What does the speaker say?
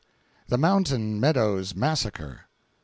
THE MOUNTAIN MEADOWS MASSACRE.